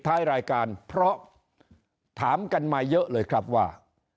ท้ายรายการเพราะถามกันมาเยอะเลยครับว่า